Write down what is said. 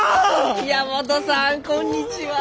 宮本さんこんにちは。